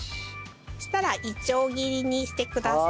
そしたらいちょう切りにしてください。